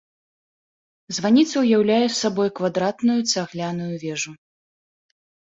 Званіца ўяўляе сабой квадратную цагляную вежу.